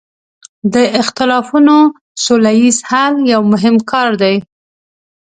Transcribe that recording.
د اختلافونو سوله ییز حل یو مهم کار دی.